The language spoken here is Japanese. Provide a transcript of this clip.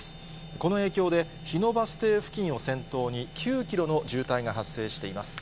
この影響で、日野バス停付近を先頭に、９キロの渋滞が発生しています。